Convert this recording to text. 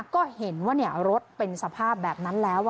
ก็เห็นว่ารถเป็นสภาพแบบนั้นแล้ว